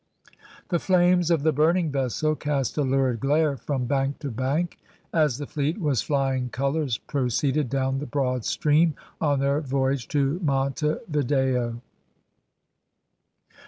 The flames of the burning vessel cast a lurid glare from bank to bank, as the fleet with flying colours proceeded down the broad stream on their voyage to Monte Video.